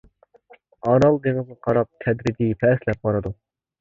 ئارال دېڭىزغا قاراپ تەدرىجىي پەسلەپ بارىدۇ.